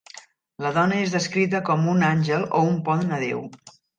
La dona és descrita com un "àngel" o un "pont a Déu".